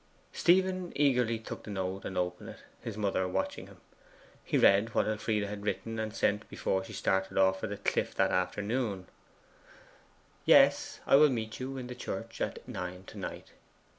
Stephen eagerly took the note and opened it, his mother watching him. He read what Elfride had written and sent before she started for the cliff that afternoon: 'Yes; I will meet you in the church at nine to night.